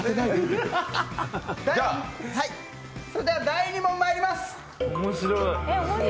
第２問、まいります。